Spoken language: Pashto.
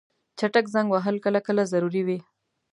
چټک زنګ وهل کله کله ضروري وي.